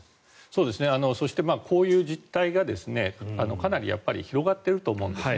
そして、こういう実態がかなり広がっていると思うんです。